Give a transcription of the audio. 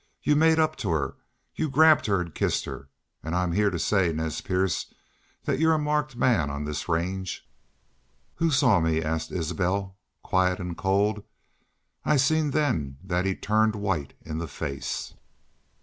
Y'u made up to her. Y'u grabbed her an' kissed her! ... An' I'm heah to say, Nez Perce, thet y'u're a marked man on this range.' "'Who saw me?' asked Isbel, quiet an' cold. I seen then thet he'd turned white in the face.